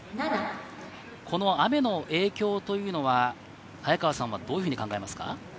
この雨の影響というのは、早川さんはどういうふうに考えますか？